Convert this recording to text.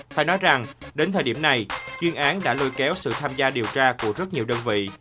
phải nói rằng đến thời điểm này chuyên án đã lôi kéo sự tham gia điều tra của rất nhiều đơn vị